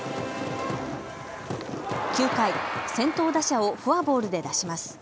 ９回、先頭打者をフォアボールで出します。